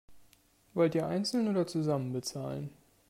Wollt ihr einzeln oder zusammen bezahlen?